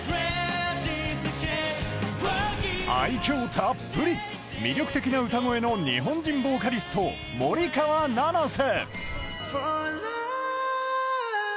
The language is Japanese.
たっぷり魅力的な歌声の日本人ボーカリスト、森川七星。